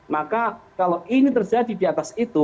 maka kalau ini terjadi di atas itu